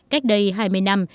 cách đây hai mươi năm